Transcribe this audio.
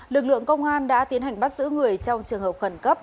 lực lượng công an đã tiến hành bắt giữ người trong trường hợp khẩn cấp